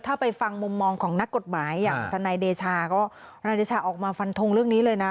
ถ้าไปฟังมุมมองของนักกฎหมายอย่างทนายเดชาก็ทนายเดชาออกมาฟันทงเรื่องนี้เลยนะ